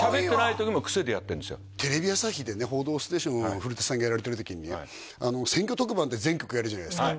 すごいわテレビ朝日でね「報道ステーション」を古さんがやられてる時にね選挙特番って全局やるじゃないですか